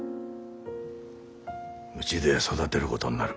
うちで育てることになる。